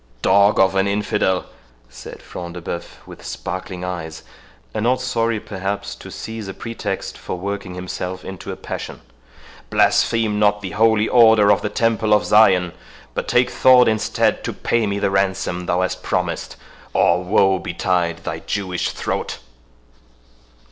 "Dog of an infidel," said Front de Bœuf, with sparkling eyes, and not sorry, perhaps, to seize a pretext for working himself into a passion, "blaspheme not the Holy Order of the Temple of Zion, but take thought instead to pay me the ransom thou hast promised, or woe betide thy Jewish throat!"